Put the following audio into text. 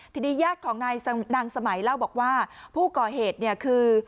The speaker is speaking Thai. ทีนี้ญาติของนายนางสมัยเล่าบอกว่าผู้ก่อเหตุเนี่ยคือ